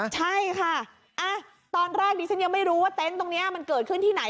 ใช่ค่ะตอนแรกดิฉันยังไม่รู้ว่าเต็นต์ตรงนี้มันเกิดขึ้นที่ไหน